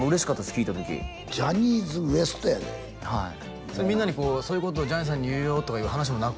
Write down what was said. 聞いた時ジャニーズＷＥＳＴやではいみんなにこうそういうことをジャニーさんに言うよとかいう話もなく？